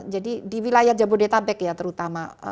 jadi di wilayah jabodetabek ya terutama